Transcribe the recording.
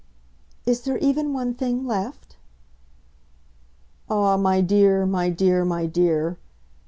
"Is there even one thing left?" "Ah, my dear, my dear, my dear!"